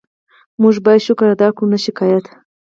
موږ باید شکر ادا کړو، نه شکایت.